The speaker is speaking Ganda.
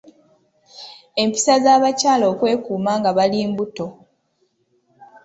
Empisa z’abakyala okwekuuma nga bali embuto.